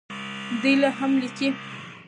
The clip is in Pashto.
دی لا هم لیکي.